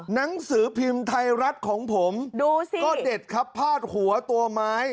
หนังสือพิมพ์ไทยรัฐของผมดูสิก็เด็ดครับพาดหัวตัวไม้